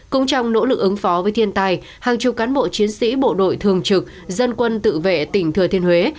cũng trong nỗ lực ứng phó với thiên tài hàng chục cán bộ chiến sĩ bộ đội thường trực dân quân tự vệ tỉnh thừa thiên huế